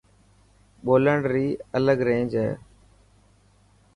ٻولڻ ري الگ رينج هي.